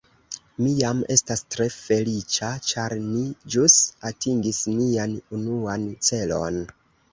Mi jam estas tre feliĉa ĉar ni ĵus atingis nian unuan celon